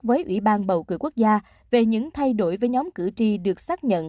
với ủy ban bầu cử quốc gia về những thay đổi với nhóm cử tri được xác nhận